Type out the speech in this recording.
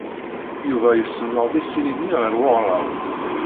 Yuba isenned isili-nni ɣer weɣrab.